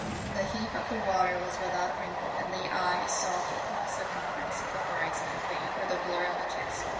The heave of the water was without a wrinkle, and the eye sought the whole circumference of the horizon in vain for the blurr of a catspaw.